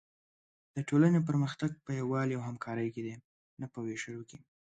د ټولنې پرمختګ په یووالي او همکارۍ کې دی، نه په وېشلو کې.